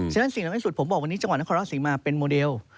ฉะนั้นสิ่งสำคัญที่สุดผมบอกวันนี้จังหวัดนครราชศรีมาเป็นโมเดล